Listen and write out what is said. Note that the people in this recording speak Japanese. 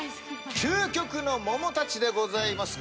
究極の桃たちでございます。